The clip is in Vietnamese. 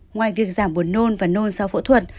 ngoài việc giảm buồn nôn và nôn do phẫu thuật